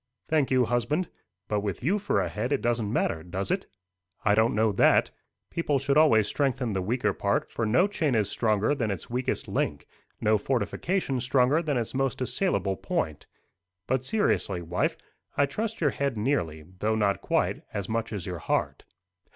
"Thank you, husband. But with you for a head it doesn't matter, does it?" "I don't know that. People should always strengthen the weaker part, for no chain is stronger than its weakest link; no fortification stronger than its most assailable point. But, seriously, wife, I trust your head nearly, though not quite, as much as your heart.